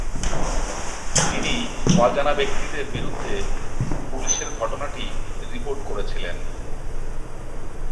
তিনি "অজানা ব্যক্তিদের" বিরুদ্ধে পুলিশে ঘটনাটি রিপোর্ট করেছিলেন।